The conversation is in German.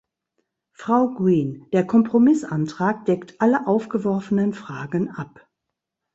Frau Green, der Kompromissantrag deckt alle aufgeworfenen Fragen ab.